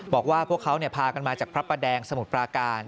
บอกว่าพวกเขาพากันมาจากพระประแดงสมุทรปราการ